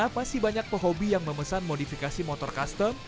masih banyak pehobi yang memesan modifikasi motor custom